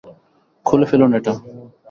খুলে ফেলুন এটা!